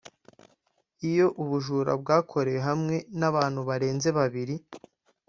Iyo ubujura bwakorewe hamwe n’abantu barenze babiri